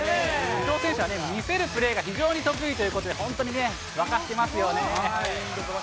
伊藤選手は見せるプレーが非常に得意ということで、本当にね、沸かせますよね。